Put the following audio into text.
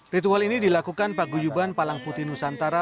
ritual ini dilakukan pak guyuban palangputi nusantara